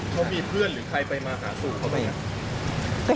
เขามีเพื่อนหรือใครไปมาหาสูตรเขาบ้าง